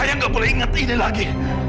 saya gak boleh ingetin ini lagi